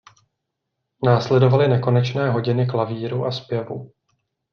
Následovaly nekonečné hodiny klavíru a zpěvu.